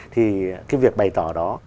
thì cái việc bày tỏ đó